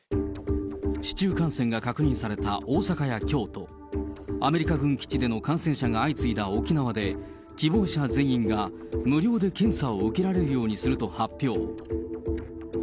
市中感染が確認された大阪や京都、アメリカ軍基地での感染者が相次いだ沖縄で、希望者全員が無料で検査を受けられるようにすると発表。